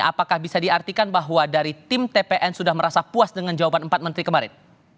apakah bisa diartikan bahwa dari tim tpn sudah merasa puas dengan jawaban empat menteri kemarin